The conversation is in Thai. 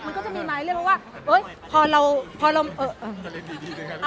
มันก็จะมีมาเรื่องว่าเฮ้ยพอเราพอเรา